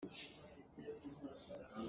Sailam cu sermi lam a si lo.